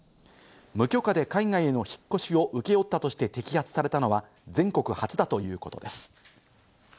無許可で海外への引っ越しを請け負ったとして摘発されたのは全国初だということです。